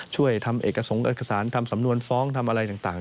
ช่วยทำเอกสงค์เอกสารทำสำนวนฟ้องทำอะไรต่าง